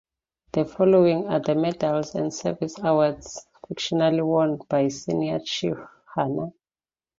The following are the medals and service awards fictionally worn by Senior Chief Hanna.